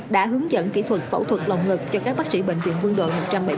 đã hướng dẫn kỹ thuật phẫu thuật lòng ngực cho các bác sĩ bệnh viện quân đội một trăm bảy mươi tám